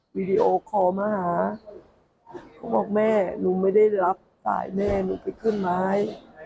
วีดีโอคอลมาหาเขาบอกแม่หนูไม่ได้รับสายแม่หนูไปขึ้นไม้